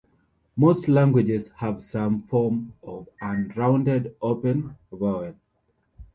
Most languages have some form of an unrounded open vowel.